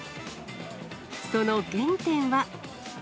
その原点は。